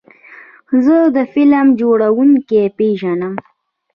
زه د فلم جوړونکي پیژنم.